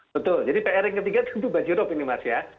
betul jadi pr yang ketiga tentu banjirop ini mas ya